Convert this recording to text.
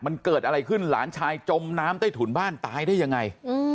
มันเกิดอะไรขึ้นหลานชายจมน้ำใต้ถุนบ้านตายได้ยังไง